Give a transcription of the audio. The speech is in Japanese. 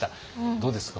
どうですか？